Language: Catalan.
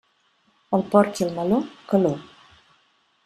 Al porc i al meló, calor.